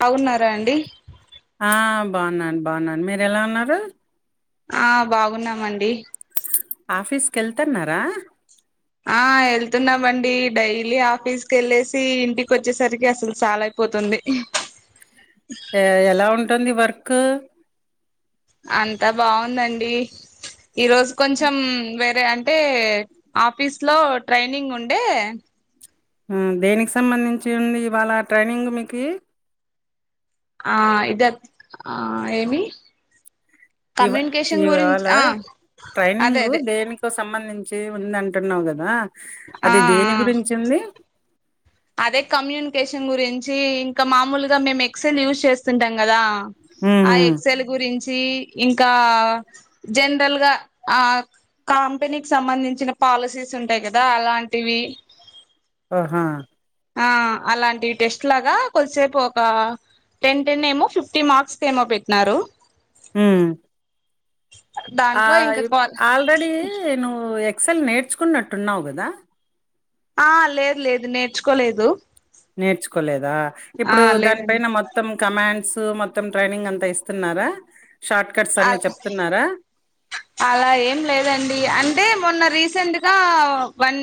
బావున్నారా అండి బాగున్నా బాగున్నాను మీరెలా ఉన్నారు ఆ బాగున్నామండి ఆఫీస్ కెళ్తన్నారా? ఆ వెళ్తున్నామండి డైలీ ఆఫీస్కే వెళ్ళేసి ఇంటికి వచ్చేసరికి అసలు చాలా పోతుంది ఎలా ఉంటుంది వర్క్ అంతా బాగుందండి ఈరోజు కొంచెం వేరే అ అంటే ఆఫీస్ లో ట్రైనింగ్ ఉండే ఆ దేనికి సంబంధించి ఉంది ఇవాళ ట్రైనింగ్ మీకు ఆ ఇగద్ ఆ ఏమి? ఇవ్ కమ్యూనికేషన్ గురించి ఇవాళ ఆ అదే ట్రైనింగ్ అదే దేనికో సంబంధించి చి ఉంది అంటున్నావు కదా ఆ అది దేని ఆ గురించి ఉంది అదే కమ్యూనికేషన్ గురించి ఇంకా మామూలుగా మేము ఎక్సెల్ యూస్ చేస్తుంటాం కదా ఆ హుహు. ఎక్సెల్ గురించి ఇంకా జనరల్ గా ఆ కంపెనీకి సంబంధించిన పాలసీస్ ఉంటాయి కదా అలాంటివి ఆహా! ఆ అలాంటివి టెస్ట్ లాగా కొద్దిసేపు ఒక టెన్, టెన్ ఏమో ఫిఫ్టీ మార్క్స్ ఏమో పెట్టినన్నారు. ఉమ్ ఆ దాంట్లో ఇంకా యు కాల్ ఆల్రెడీ నువ్వు ఎక్సెల్ నేర్చుకున్నట్టున్నావు కదా ఆ లేదు లేదు నేర్చుకోలేదు. నేర్చుకోలేదా ఆ ఇప్పుడు లేదండి దానిపైన మొత్తం కమాండ్స్ మొత్తం ట్రైనింగ్ అంత ఇస్తున్నారా? షార్ట్ కట్స్ అన్ని అ చెప్తున్నారా? అలా ఏం లేదండి అంటే మొన్న రీసెంట్గా వన్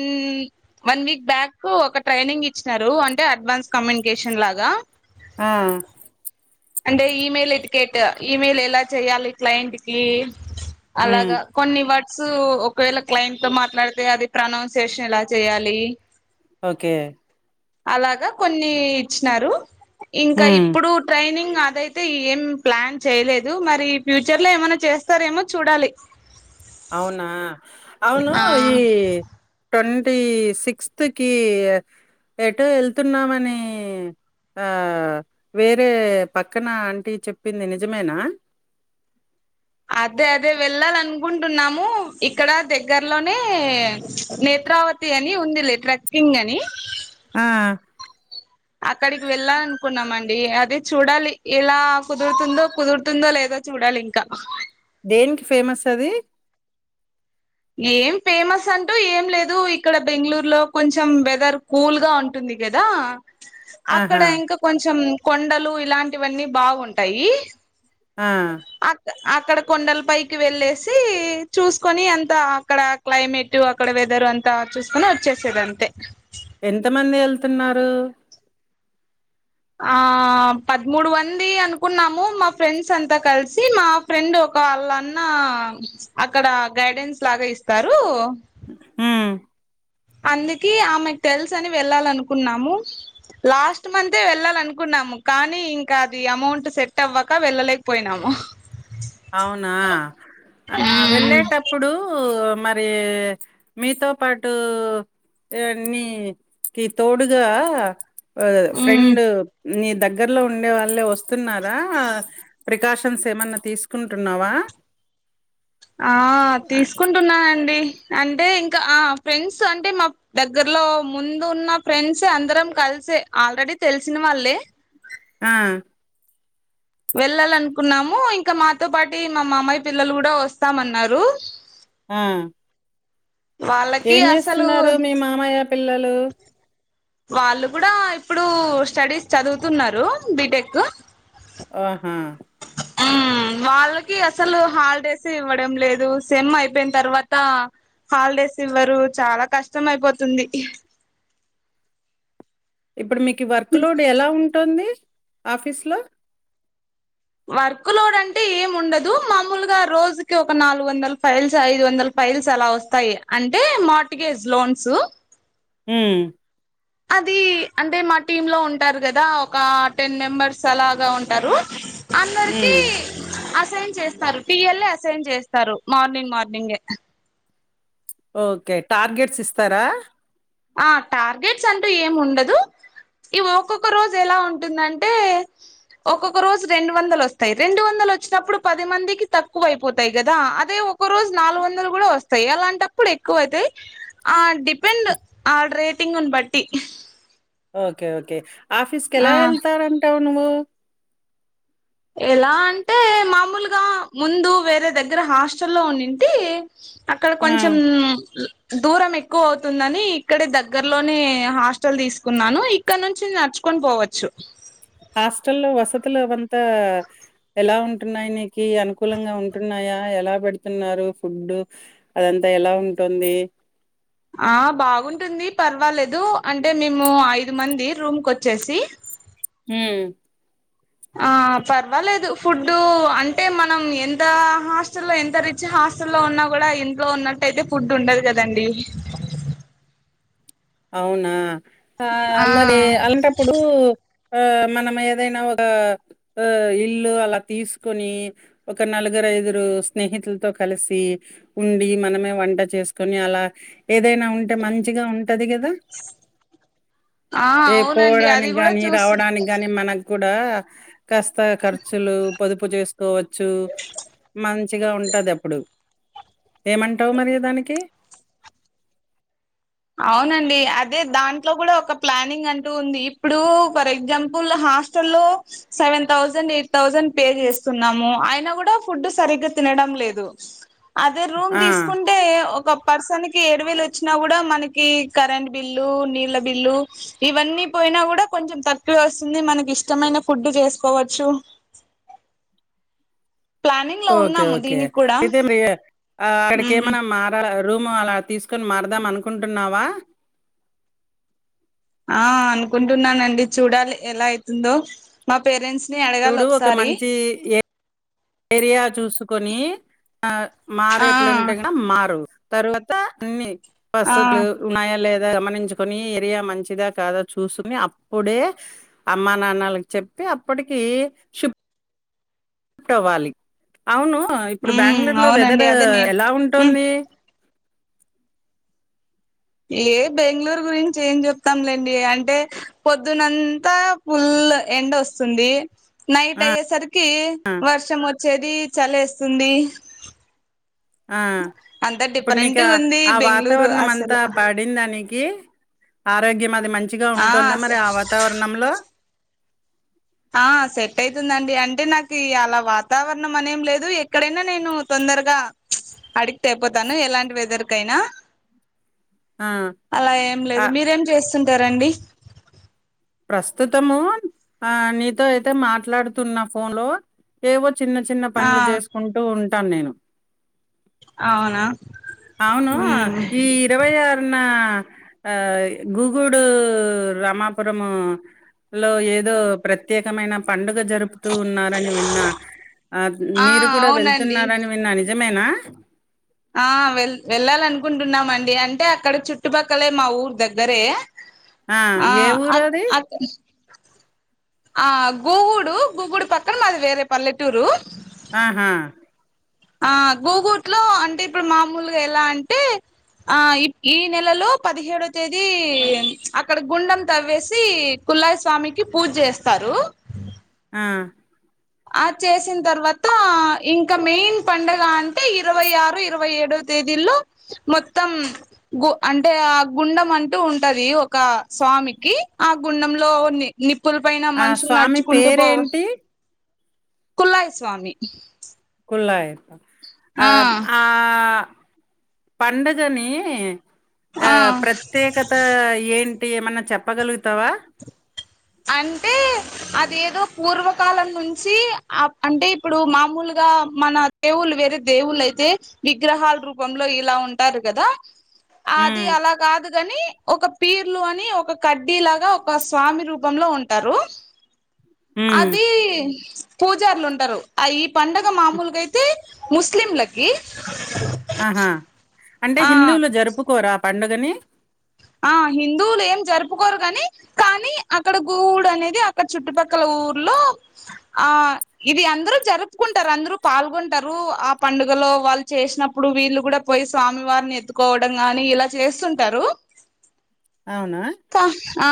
వన్ వీ వీక్ బ్యాక్ ఒక ట్రైనింగ్ ఇచ్చినారు. అంటే అడ్వాన్స్ కమ్యూనికేషన్ లాగా ఉమ్ అంటే ఇమెయిల్ ఇటుకెట్ ఇమెయిల్ ఎలా చేయాలి క్లయింట్ కి ఉమ్ అలాగా కొన్ని వట్ స ఒకవేళ క్లయింట్ తో మాట్లాడితే అది ప్రొనౌన్సియేషన్ ఎలా చేయాలి. ఓకే అలాగా కొన్ని ఇచ్చినారు ఇంకా ఉమ్ ఇప్పుడు ట్రైనింగ్ అదైతే ఏం ప్లాన్ చేయలేదు మరి ఫ్యూచర్ లో ఏమైనా చేస్తారేమో చూడాలి. అవునా అవును ఆ ఈ టోన్ టి సిక్స్త్ కి ఎటో వెళ్తున్నామని ఆ వేరే పక్కన ఆంటీ చెప్పింది నిజమేనా? అదే అదే వెళ్ళాలనుకుంటున్నాము ఇక్కడ దగ్గరలోనే నే చత్రావతి అని ఉందిలే ట్రకింగ్ అని ఆ అక్కడికి వెళ్ళాలనుకున్నామండి అదే చూడాలి ఇలా కుదురుతుందో కుదురుతుందో లేదో చూడాలి ఇంకా దేనికి ఫేమస్ అది ఏం ఫేమస్ అంటూ ఏం లేదు ఇక్కడ బెంగళూరు లో కొంచెం వెదర్ కూల్ గా ఉంటుంది. గదా అక్కడ ఆహా ఇంకా కొంచెం కొండలు ఇలాంటివన్నీ బాగుంటాయి. ఆ అక్ అక్కడ కొండల పైకి వెళ్ళేసి చూసుకొని అంతా అక్కడ క్లైమేట్టు అక్కడ వెద ర్ అంతా చూస్కొని వచ్చేసేదంతె ఎంత మంది ఎళ్తున్నారు ఆ పడ్మూడు వంది అనుకున్నాము మా ఫ్రెండ్సంతా కల్సి మా ఫ్రెండు వాళ్ళన్నా అక్కడ గైడెన్స్ లాగా ఇస్తారు ఉమ్ అందికి ఆమెక్ తెల్సని వెళ్ళాలనుకున్నాము లాస్ట్ మంతే వెళ్ళాలనుకున్నాము కానీ ఇంక అది అమౌంట్ సెట్టవ్వక వెళ్ళలేకపొయ్నాము అవునా ఆ వెళ్ళేటప్పుడు మరి మీతో పాటు ఇవన్నీ కి తోడుగా ఆ ఉమ్ ఫ్రెండు నీ దగ్గర్లో ఉండే వాళ్ళే వస్తున్నారా ప్రికాషన్స్ ఏమన్నా తీస్ కుంటున్నావా ఆ తీసుకుంటున్నానండి అంటే ఇంకా ఆ ఫ్రెండ్సు అంటే మా దగ్గర్లో ముందు ఉన్న ఫ్రెండ్సే అందరం కల్సే ఆల్రెడీ తెల్సిన వాళ్ళే ఆ వెళ్ళాలనుకున్నాము ఇంక మాతో పాటి మ మామయ్య పిల్లలు గుడా వస్తామన్నారు ఆ! వాళ్ళకి ఏం అసలు జేస్తున్నారు మీ మామయ్య పిల్లలు వాళ్ళు గుడా ఇప్పుడూ స్టడీస్ చదువుతున్నారు బీటెక్కు వాహా ఊ వాళ్ళకి అసలు హాలిడేసే ఇవ్వడం లేదు సెమ్మైపైన్ తర్వాత హాల్డే స్ ఇవ్వరు చాలా కష్టమైపోతుంది ఇబ్బుడు మీకు వర్క్ లూడ్ ఎలా ఉంటుంది ఆఫీస్ లో వర్కు లూడ్ అంటే ఏమ్ ఉండదు మామూలుగా రోజుకి ఒక నాలుగు వందల్ ఫైల్స్ ఐదు వందల్ ఫై ఫైల్స్ అలా వస్తాయి అంటే మార్టిగేజ్ లోన్సు ఊ అది అంటే మా టీమ్ లో ఉంటారు గదా ఒక టెన్ మెంబర్స్ అలాగా ఉంటరు అందరికీ హ్మ్. అస్ అసైన్ చేస్తారు పిఎల్ ఏ అసైన్ జేస్తారు మార్నింగ్ మార్నింగే ఓకే టార్గెట్స్ ఇస్తారా ఆ టార్గెట్స్ అంటూ ఏమ్ ఉండదు ఇ ఒక్కొక్క రోజు ఎలా ఉంటుందంటే ఒక్కొక్క రోజు రెండ వందలొస్తాయ్ రెండు వందలొచ్చినప్పుడు పది మందికి తక్కువైపోతాయ్ గదా అదే ఒ ఒక్కో రోజు నాలుగు వందలు గూడా వస్తాయ్ అలాంటప్పుడు ఎక్కువ అయితే ఆ డిపెండ్ ఆల్ రేటింగున్ బట్టి ఓకే ఓకే ఆఫీస్ ఆ కెలా ఎల్తాంరంటావు నువ్వు ఎలా అంటే మామూలుగా ముందు వేరే దగ్గర హాస్టల్ల్లో ఉన్నింటి అక్కడ ఆ! కొంచం దూరం ఎక్కువ అవుతుందని ఇక్కడే దగ్గర్లోనే హాస్టల్ దీసుకున్నాను ఇక్కన్నుంచి నడ్చ్ కొని బోవచ్చు [unintelligible] అంతా ఎలా ఉంటున్నాయ్ నీకి అనుకూలంగా ఉంటున్నాయా ఎలా బెడుతున్నారు ఫుడ్డు అదంతా ఎలా ఉంటుంది ఆ బాగుంటుంది పర్వాలేదు అంటే మేము ఐదు మంది రూమ్ కొచ్చేసి మ్ ఆ పర్వాలేదు ఫుడ్డు అంటే మనం ఎంత హాస్టల్ లో ఎంత రిచ్ హాస్ స్టల్లో ఉన్నా కూడా ఇంట్లో ఉన్నట్టయితే ఫుడ్ ఉండదు కదండి అవునా ఆ మరి అలాంటప్పుడు ఆ మనం ఏదైనా ఒక ఆ ఇల్లు అలా తీసుకొని ఒక నలుగు ఐదుగురు స్నేహితులతో కలిసి ఉండి మనమే వంట చేసుకొని అలా ఏదైనా ఉంటే మంచిగా ఉం టది కదా ఆ ఏ అవునండి అది పోవడానికి కూడా కానీ చూసి రావడానికి కాని మన కూడా కాస్త ఖర్చులు పొదుపు చేసుకోవచ్చు మంచిగా ఉంటది అప్పుడు ఏమంటావు మరి దానికి అవునండి అదే దాంట్లో కూడా ఒక ప్లానింగ్ అంటూ ఉంది ఇప్పుడు ఫర్ ఎగ్జాంపుల్ హస్ హస్ట లో seven thousand eight thousand pay చేస్తున్నాము అయిన కూడా ఫుడ్ సరిగ్గా తినడం లేదే అదే రూమ్ ఆ తీసుకుంటే ఒక పర్సన్ కి ఏడు వేయిలు వచ్చినా కూడా మన కి కరెంట్ బిల్లు నీళ్ళ బిల్లు ఇవన్నీ పోయినా కూడా కొంచెం తక్కువే వస్తుంది మన కి ఇష్టమైన ఫుడ్డు చేసుకోవచ్చు ప్లానింగ్ లో ఓకే ఉన్నాము ఓకే దీనికి కూడా అయితే మరి ఆ ఉమ్ అక్కడికేమన్న మార రూమ్ అలా తీసుకొని మారుదాం అనుకుంటున్నావా ఆ అనుకుంటున్నానండి చూడాలి ఎలా అవుతుందో మా పేరెంట్స్ ని అడగాలి ఒకసారి ఎరియా చూసుకొని ఆ ఆ మారేట్లుంటే గినా మారు తర్వాత అన్ని ఆ వసతులు ఉన్నాయా లే గమనించుకొని ఏరియా మంచిదా కాదా చూసుకుని అప్పుడే అమ్మా నాన్నకి చెప్ ప్పి అప్పటికి షిప్ ట్ అవ్వాలి అవును ఇప్పుడు ఉమ్ బెంగళూరు లో వెదర్ అవునండి అదే నే ఎలా ఉమ్ ఉంటుంది ఏ బెంగళూరు గురించి ఏం చెప్తాంలేండి అంటే పొద్దునంతా పుల్ ల్ ఎండ వస్తుంది నైట్ ఆ అయ్యేసరికి వర్షం వచ్చేది చలేస్తుంది ఆ అంత ఇప్పుడు డిఫరెంట్ నీకు గా ఉంది ఆ బెంగళూరు వాతావరణం అసలు అంతా పడిందానికి ఆరోగ్యం అది మంచిగా ఆ ఉంటుందా మరి ఆ వాతావరణంలో ఆ సెట్ అయితుందండి అంటే నాకు అలా వాతావరణం అనేం లేదు ఎక్కడైనా నేను తొం దరగా అడిక్ట్ అయిపోతాను ఎలాంటి వెదర్ కైనా ఆ అలా ఏం ఆ లేదు మీరేం చేస్తుంటారండి ప్రస్తుతము ఆ నీతో అయితే మాట్లాడుతున్న ఫోన్ లో ఏవో చిన్న చిన్న ఆ పనులు చేసుకుంటూ ఉంటాను నేను అవునా అవును ఉమ్ ఈ ఇరవై ఆరు నా ఆ గుగుడు రామాపురము లో ఏదో ప్రత్యేకమైన పండుగ జరుపుతూన్నారని విన్నా ఆ మీరు కూడా అవునండి వెళ్తున్నారని విన్నా ని జమేనా ఆ వెల్ వెళ్ళాలనుకుంటున్నామండి అంటే అక్కడ చుట్టుపక్కలే మా ఊరు దగ్గరే ఆ ఏ ఊరు అక్ అది అక్ ఆ గూగూడు గూగూడు పక్కన మాది వేరే పల్లెటూరు ఆహా ఆ గూగుట్ లో అంటే ఇప్పుడు మామూలుగా ఎలా అంటే ఆ ఈ నెలలో పదిహేడో తేదీ అక్కడ గుండెం తవ్వేసి కుల్ళయిస్వామికి పూజ చేస్తారు ఆ ఆ చేసిన తర్వాత ఇంకా మెయిన్ పండుగ అంటే ఇరవై ఆరు ఇరవై ఏడు తేదీలో మొత్తం గు అంటే ఆ గుండం అంటూ ఉంటది ఒక స్వామికి ఆ గుండంలో ని నిప్పుల పైన ఆ మనుషులు స్వామి నడుచుకుంటూ పోవు పేరేంటి కుల్లయస్వామి కుళ్ళయప్ప ఆ ఆ పండుగని ఆ ప్రత్యేకత ఏంటి ఏమన్నా చెప్పగలుగుతావా అంటే అదేదో పూర్వకాలం నుంచి ఆ అంటే ఇప్పుడు మామూలుగా ఇలా మన దేవుళ్లు వేరే దేవుళ అయితే విగ్రహాల రూపంలో ఇలా ఉంటారు కదా అది హ్మ్ అలా కాదు కాని ఒక పీర్లు అని ఒక కడ్డి లాగా ఒక స్వామి రూప లో ఉంటారు హ్మ్ అది పూజారులు ఉంటారు అయు పండగ మామూలుగా అయితే ముస్లింలకి ఆహా అంటే ఆ హిందువులు జరుపుకోరా ఆ పండుగని ఆ హిందువులు ఏం జరుపుకోరు గాని కానీ అక్కడ గుగూడు అనేది అక్కడ చుట్టుపక్కల ఊ ఊర్లో ఆ ఇది అందరు జరుపుకుంటారు అందరు పాల్గొంటారు ఆ పండుగ లో వాళ్ళు చేసినప్పుడు వీళ్ళు కూడా పోయి స్వామి వారిని ఎత్తుకోవడం గాని ఇలా చేస్తుంటారు అవునా కా ఆ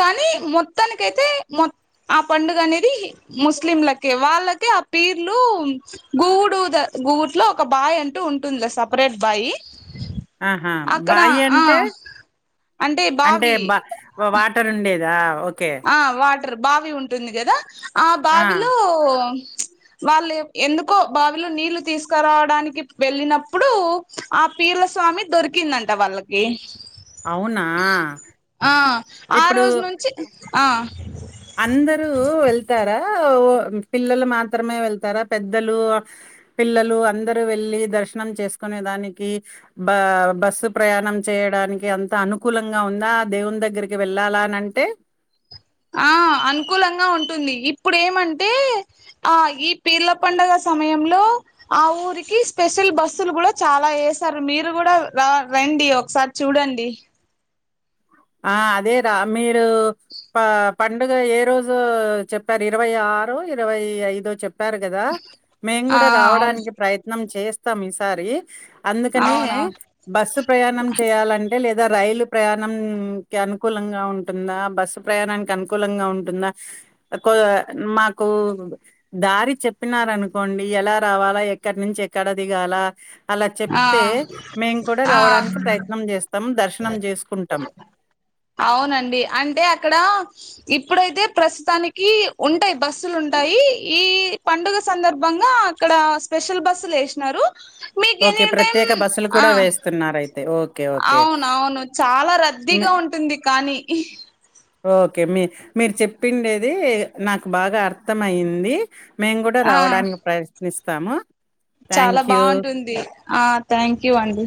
కానీ మొత్తానికైతే మ ఆ పండుగ అనేది ముస్లింలకే వా వాళ్ళకి ఆ పీర్లు గుగూడు గుగూట్లో ఒక బాయ్ అంటూ ఉంటుందిలే సపరేట్ బాయ్ ఆహా అక్కడ బాయి ఆ అంటే అంటే బా అంటే బ వాటర్ ఉండేదా ఓకే ఆ వాటర్ బావి ఉంటుంది కదా ఆ బావిలో చ్ వాళ్ళు ఎందుకో బావిలో నీళ్లు తీసుకురావడానికి వెళ్ళినప్పుడు ఆ పీర్ల స్వామి దొరికిందంట వాళ్ళకి అవునా ఆ ఆ రోజు నుంచి ఆ అందరు వెళ్తారా పిల్లలు మాత్రమే వెళ్తారా పెద్దలు పిల్లలు అందరు వెళ్లి దర్శనం చేసుకునే దానికి బ బస్సు ప్రయాణం చేయడానికి అంత అనుకూలంగా ఉంది నా దేవుని దగ్గరికి వెళ్ళాలా అని అంటే ఆ అనుకూలంగా ఉంటుంది ఇప్పుడు ఏమంటే ఆ ఈ పీర్ల పండుగ సమయంలో ఆ ఊరికి స్పెషల్ బస్సులు కూడా చాలా వేసారు మీరు కూడా రా రండి ఒకసారి చూడండి ఆ అదే రా మీరు ప పండుగ ఏ రోజు చెప్పారు ఇరవై ఆరు ఆరో ఇరవై ఐదో చెప్ప చెప్పారు కదా మేము ఆ కూడా అవును రావడానికి ప్రయత్నం చేస్తాం ఈసారి అందుకనే అవునవును బస్సు ప్రయాణం చేయాలంటే లేదా రైలు ప్రయాణం అనుకూలంగా ఉంటుందా బస్సు ప్రయాణానికి అనుకూలంగా ఉంటుందా కో మా కు దారి చెప్పినార అనుకోండి ఎలా రావాలా ఎక్కడి నుంచి ఎక్కడ దిగాల అలా ఆ చెప్తే మేము కూడా ఆ రావడానికి ప్రయత్నం చేస్తాం దర్శనం చేసుకుంటాం అవునండి అంటే అక్కడ ఇప్పుడైతే ప్రస్తుతానికి ఉంటాయి బస్సులు ఉంటాయి ఈ పండుగ సందర్భంగా అక్కడ స్పెషల్ బస్సులు వేసినారు మీకు ఓకే ఎనీ టైం ప్రత్యేక బస్సులు ఆ కూడా వేస్తున్నారు అయితే ఓకే ఓకే అవును అవును చాలా మే రద్దీగా ఉంటుంది కానీ ఓకే మీ మీరు చెప్పిండేది నాకు బాగా అర్థంమయింది మేము కూడా ఆ రావడానికి ప్రయత్నిస్తాము చాలా థ్యాంక్ యూ. బాగుంటుంది ఆ థ్యాంక్ యూ అండి